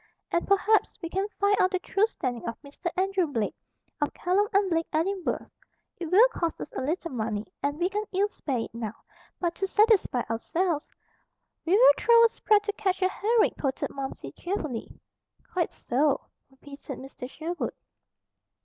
And perhaps we can find out the true standing of Mr. Andrew Blake, of Kellam & Blake, Edinburgh. It will cost us a little money, and we can ill spare it now; but to satisfy ourselves " "We will throw a sprat to catch a herring," quoted Momsey cheerfully. "Quite so," repeated Mr. Sherwood.